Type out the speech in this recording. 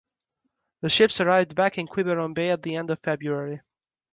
The ships arrived back in Quiberon Bay at the end of February.